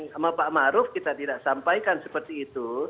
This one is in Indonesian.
sama pak maruf kita tidak sampaikan seperti itu